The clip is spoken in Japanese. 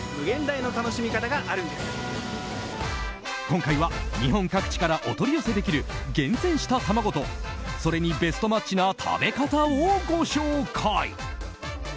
今回は、日本各地からお取り寄せできる厳選した卵とそれにベストマッチな食べ方をご紹介！